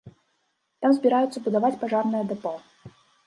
Там збіраюцца будаваць пажарнае дэпо.